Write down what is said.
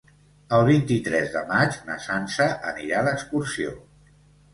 El vint-i-tres de maig na Sança anirà d'excursió.